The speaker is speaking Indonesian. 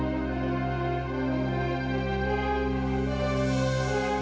aku nggak sengaja kak